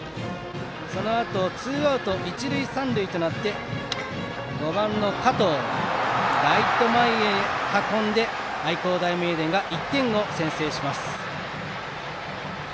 そのあとツーアウト、一塁三塁となり５番の加藤がライト前に運んで愛工大名電が１点を先制します。